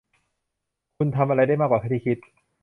คุณทำอะไรได้มากกว่าที่คิด